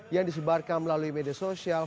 yang disebarkan melalui media sosial